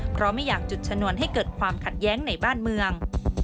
เพราะไม่อยากจุดชนวนให้เกิดความขัดแย้งในบ้านเมือง